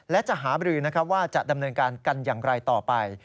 และจะหาบรือว่าจะดำเนินการกันอย่างไรต่อไป